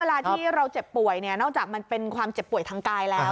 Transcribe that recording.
เวลาที่เราเจ็บป่วยเนี่ยนอกจากมันเป็นความเจ็บป่วยทางกายแล้ว